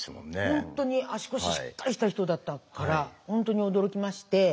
本当に足腰しっかりした人だったから本当に驚きまして。